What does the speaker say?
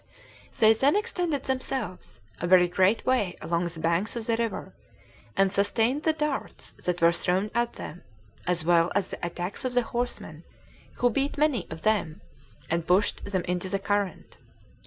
They then extended themselves a very great way along the banks of the river, and sustained the darts that were thrown at them, as well as the attacks of the horsemen, who beat many of them, and pushed them into the current.